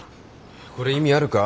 これ意味あるか？